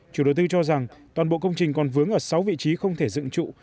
chủ đầu tư cho rằng toàn bộ công trình còn vướng ở sáu vị trí không thể dựng trụ